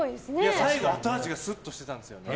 最後後味がすっとしてたんですよ。